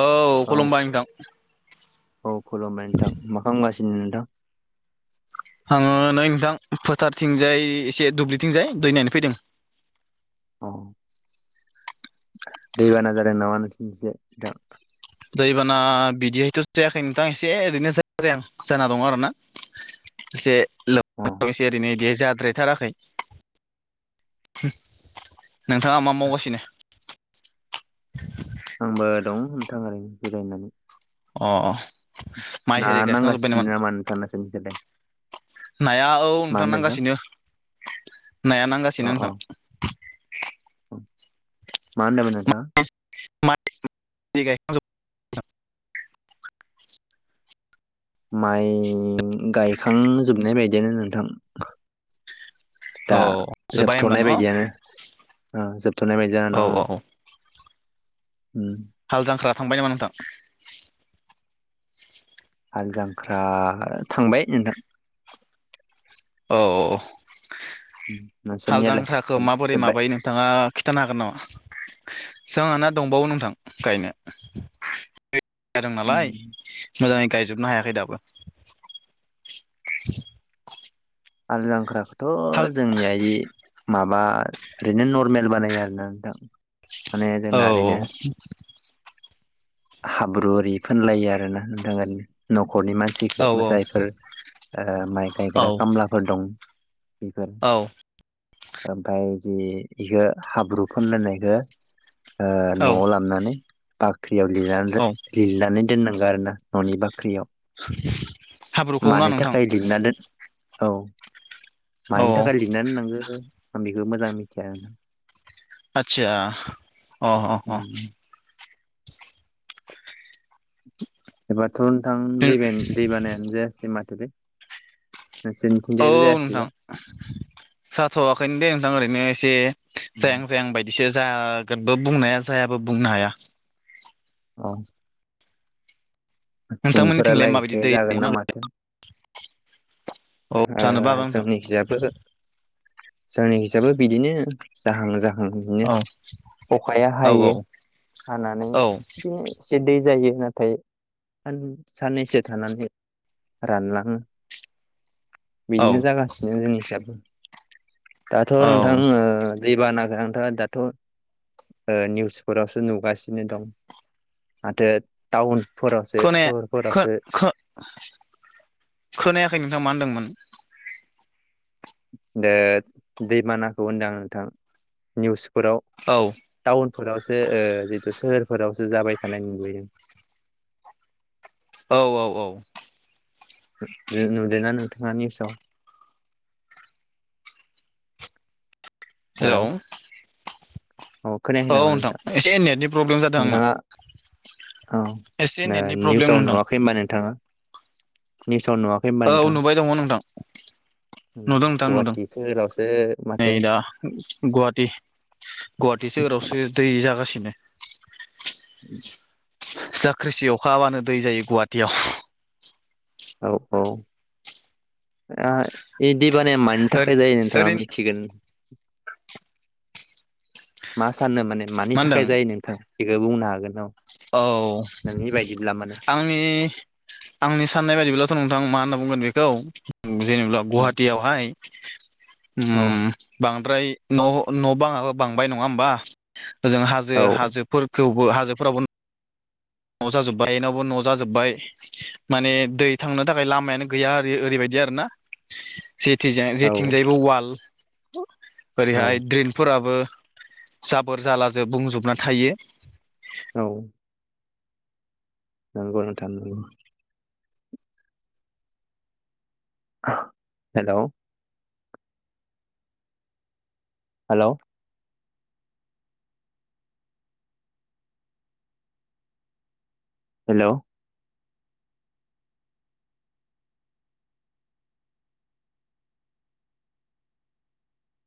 औ खुलुमबाय नोंथां। औ खुलुमबाय नोंथां मा खालाम खालामगासिनो नोंथां? आङो नै नोंथां फोथारथिंजाय एसे दुब्लिथिंजाय दै नायनो फैदों। औ दैबाना जादों नामा नोंसोरनिथिंजाय नोंथां? दैबाना बिदिहायथ' जायाखै नोंथां एसे ओरैनो जाया जाया जाना दङ आरोना। एसे ल अ एसे ओरैनो इदिहाय जाद्रायथाराखै। नोंथाङा मा मावगासिनो? आंबो दं नोंथां ओरैनो जिरायनानै। अ अ ना नांगासिनो नामा नोंथां नोंसोरनिथिंजाय? नाया औ नोंथां नांगासिनो नाया अ नांगासिनो अ नोंथां। मा होनदोमोन नोंथाङा? माइ [unintelligible] माइ गायखांजोबनाय बायदियानो नोंथां। औ दा जोब्बाय होमबा जोबथ'नाय न' औ बायदियानो ओ जोबथ'नाय बायदि जाना दं औ। उम हाल जांख्रा थांबाय नामा नोंथां? हाल जांख्रा थांबाय नोंथां अ अ औ [inaudible] हाल जांख्राखौ माबोरै माबायो जोबबाय नोंथाङा खिथानो हागोन नामा जोंहाना दंबावो नोंथां गायनो। [inaudible] जादों नालाय मोजाङै गायजोबनो हायाखै दाबो हाल हाल जांख्राखौथ' जोंनियाइ माबा ओरैनो नरमेल बानायो आरो ना नोंथां माने औ जोंना ओरैनो हाब्रु ओरि फोनलायो आरोना नोंथां न'खरनि मानसि औ जायफोर ओ माइ औ गायग्रा खामलाफोर दं बेफोर औ ओमफाय इदि इखो हाब्रुफोनलायनायखो ओ औ न'आव लाबनानै बाख्रियाव औ लिरना लिरनानै दोननांगौ आरो ना न'नि बाख्रियाव। हाब्रुखौ ना मानि नोंथां थाखाय लिरना दोन औ औ मानि औ थाखाय लिरना दोननांगो आं बेखौ मोजां मिथिया आतसा अ -अ- अ। उम एबाथ' नोंथां दैबेन दै बानायानो जायासै माथोलै औ जेबो नोंथां जायासैबा जाथ'वाखैनो दे नोंथां ओरैनो एसे जायां जायां बायदि बिसोर जागोनबो बुंनाय हा जायाबो बुंनो हाया। औ नोंथांमोननिथिंलाय माबायदि उनफोरालागैसो दै जागोन दंना ना गैया? मागोन औ ओ जानोबो हागौ नोंथां जोंनिखिजाबो - जोंनिखिजाबो बिदिनो जाहां -जाहां बिदिनो औ अखाया औ हायो हानानै औ बिदिनो एसे दै जायो नाथाय सान साननैसो थानानै रानलाङो। औ बिदिनो जागासिनो जिनिस आंबो दाथ' औ नोंथां ओ दैबानाखौ नोंथां आ दाथ' ओ निउसफोरावसो नुगासिनो दं। माथो टाउनफोरावसो खोनाया सहरफोरावसो खोनायाखै नोंथां मा होनदोंमोन? दा दैमा बानाखौ होनदों आं नोंथां निउसफोराव औ टाउनफोरावसो ओ जितु सोहोरफोरावसो जाबाय थानाय नुुबैदों औ औ औ नुदोंना नोंथाङा निउसाव? हेल' अ खोनायाखै नामा नोंथां एसे नेटनि प्रब्लेम जादों आंना नोंथांङा औ एसे दा नेटनि प्रब्लेम निउसाव नोंथां नुवाखै होनबा नोंथाङा निउसाव नुवा खै होनबा औ नोंथां नुबाय दङ नोंथां नुदों नोंथां नुदों गुवाहाटि सोहोरावसो नै माथो दा गुवाहाटि गुवाहाटि सोहोरावसो दै जागासिनो [unintelligible] जा ख्रिसि अखा हाबानो दै जायो गुवाहाटियाव औ औ दा दै बानाया मा नि थाखाय जायो नोंथाङा ओरैनो मिथिगोन मा सानो माने मानि मा होनदों थाखाय जायो नोंथां बेखौ बुंनो हागोन नामा? औ आं नि आंनि साननाय बायदिब्लाथ' नोंथां मा होनना बुंगोन बेखौ जेन'ब्ला औ गुवाहाटियावहाय औ ओम बांद्राय न' न' बाङाबो बांबाय नंङा होमबा ओजों हाजो औ हाजोफोरखौबो हाजोफोरावबो न'जाजोब्बाय बयनावबो न'जाजोबबाय माने दै थांनो थाखाय लामायानो गैया आरो ओरैबायदि आरोना जेथिजाय औ जेथिंजायबो वाल औ ओरैहाय द्रेनफोराबो जाबोर जालाजों बुंजोबना थायो। औ नंगौ नोंथां नंगौ हेल' हेल' हेल'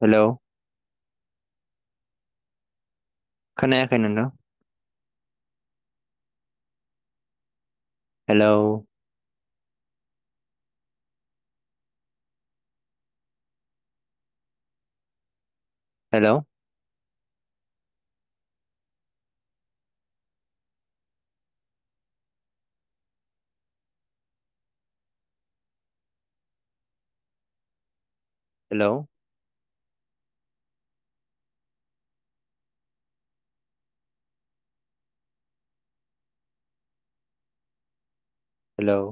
हेल' खोनायाखै नोंथां हेल' हेल' हेल' हेल'